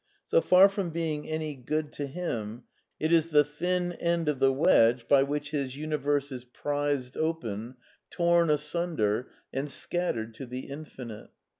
So far from being any good to him, it is the thin end of the wedge by which his uni 156 A DEFENCE OF IDEALISM verse is prised open, torn asunder and scattered to the infi nite.